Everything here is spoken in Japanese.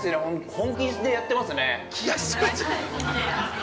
本気でやってますね。